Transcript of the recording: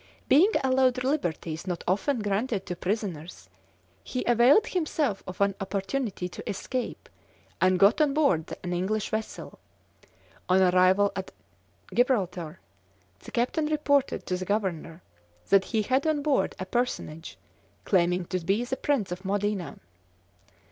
Being allowed liberties not often granted to prisoners, he availed himself of an opportunity to escape, and got on board an English vessel. On arrival at Gibraltar, the captain reported to the governor that he had on board a personage claiming to be the Prince of Modena.